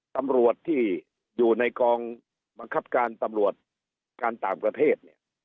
ตำรวจที่อยู่ในกองบังคับการตำรวจการต่างประเทศเนี่ย